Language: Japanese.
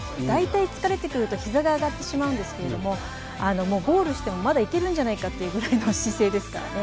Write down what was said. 大体疲れてくると膝が上がってしまうんですけれども、ゴールしてもまだいけるんじゃないかというぐらいの姿勢です。